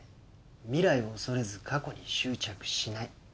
未来を恐れず過去に執着しない。